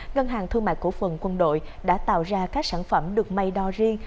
ngân hàng thương mại cổ phần quân đội đã tạo ra các sản phẩm được may đo riêng